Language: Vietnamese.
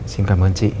xin cảm ơn chị